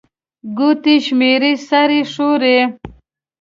ګوتي شمېري، سر يې ښوري